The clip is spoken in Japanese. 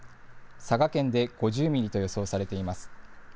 佐賀県で５０ミリと予想されています。